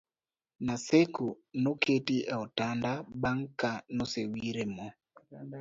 Naseko noketi e otanda bang'e ka ne osewire mo